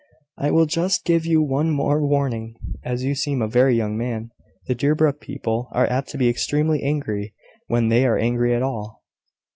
"I will just give you one more warning, as you seem a very young man. The Deerbrook people are apt to be extremely angry when they are angry at all.